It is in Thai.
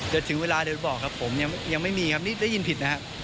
ถึงเวลาโดยบอกครับผมยังไม่มีครับนี่ได้ยินผิดนะครับ